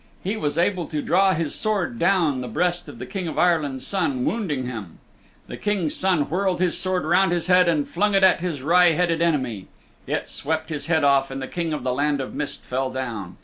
He was able to draw his sword down the breast of the King of Ireland's Son, wounding him. The King's Son whirled his sword around his head and flung it at his wry headed enemy. It swept his head off, and the King of the Land of Mist fell down.